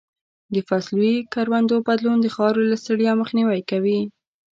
د فصلي کروندو بدلون د خاورې له ستړیا مخنیوی کوي.